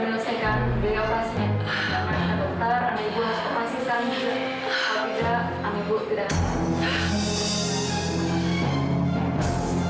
kalau tidak amirah tidak